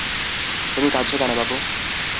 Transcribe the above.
তুমি কাঁদছ কেন, বাবু?